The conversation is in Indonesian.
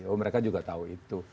oh mereka juga tahu itu